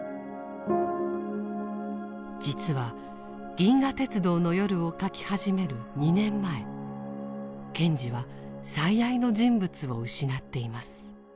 実は「銀河鉄道の夜」を書き始める２年前賢治は最愛の人物を失っています。